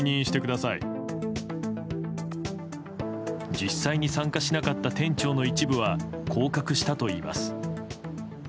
実際に参加しなかった店長の一部は降格したといいます。